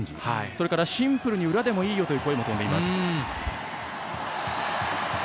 それからシンプルに裏でもいいよという声も飛んでいます。